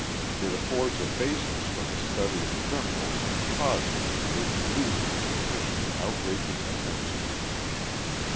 It affords a basis for the study of criminals and causes which lead to the commission of outrageous offences.